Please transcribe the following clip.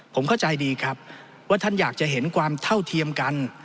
ผมเข้าใจดีครับว่าท่านอยากจะเห็นความเท่าเทียมกัน